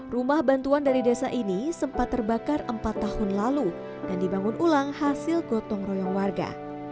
rumah bantuan dari desa ini sempat terbakar empat tahun lalu dan dibangun ulang hasil gotong royong warga